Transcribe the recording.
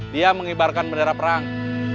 dia mengibarkan bendera perang